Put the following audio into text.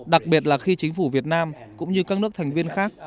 đặc biệt là khi chính phủ việt nam cũng như các nước thành viên khác